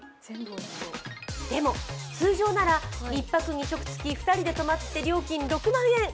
通常なら１泊２食付き、２人で泊まって料金６万円。